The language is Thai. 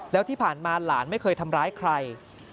แล้วที่ผ่านมาหลานไม่เคยทำร้ายใคร